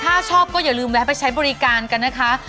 ถ้าชอบก็อย่าลืมแวะไปใช้บริการกันนะคะ